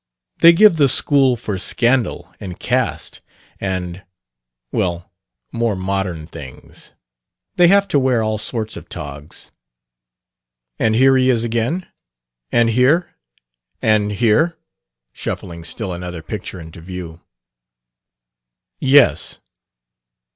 They give 'The School for Scandal' and 'Caste,' and well, more modern things. They have to wear all sorts of togs." "And here he is again? And here? And here?" shuffling still another picture into view. "Yes."